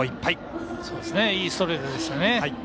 いいストレートでしたね。